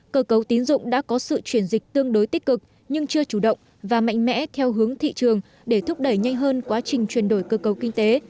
cơ cấu tín dụng đã có sự chuyển dịch tương đối tích cực nhưng chưa chủ động và mạnh mẽ theo hướng thị trường để thúc đẩy nhanh hơn quá trình chuyển đổi cơ cầu kinh tế